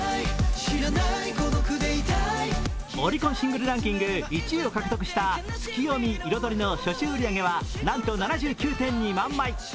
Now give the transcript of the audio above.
オリコンシングルランキング１位を獲得した「ツキヨミ／彩り」の初週売り上げはなんと７９．２万枚。